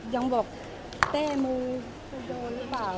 ยังบอกเต้มึงกูโดนหรือเปล่า